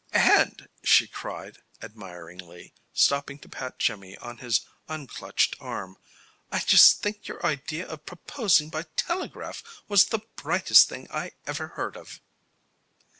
"And," she cried, admiringly, stopping to pat Jimmy on his unclutched arm, "I just think your idea of proposing by telegraph was the brightest thing I ever heard of!"